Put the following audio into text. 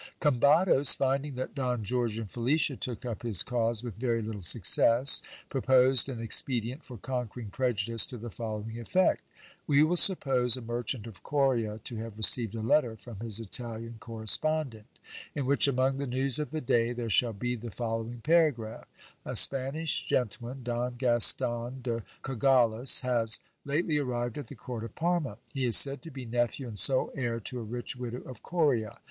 Combados finding that Don George and Felicia took up his cause with very little success, proposed an expedient for conquering prejudice to the following effect. We will suppose a merchant of Coria to have received a letter from his Italian correspondent, in which, among the news of the day, there shall be the following paragragh : "A Spanish gentleman, Don Gaston de Cogollos, has lately arrived at the court of Parma. He is said to be nephew and sole heir to a rich widow of Coria.